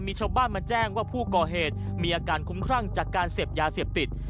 มีชาวบ้านมาแจ้งว่าผู้ก่อเหตุมีอาการคุ้มครั่งจากการเสพยาเสพติด